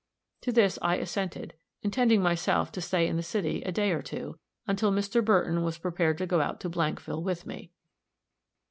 To this I assented, intending myself to stay in the city a day or two, until Mr. Burton was prepared to go out to Blankville with me.